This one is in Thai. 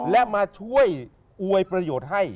และมาช่วยอวยประโยชน์ให้